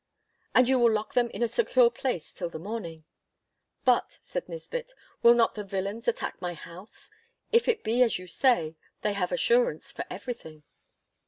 'And you will lock them in a secure place till the morning!' 'But,' said Nisbett, 'will not the villains attack my house? If it be as you say, they have assurance for everything.